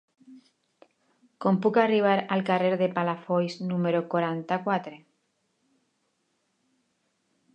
Com puc arribar al carrer de Palafolls número quaranta-quatre?